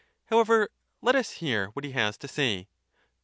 How ever, let us hear what he has to say.